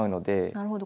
なるほど。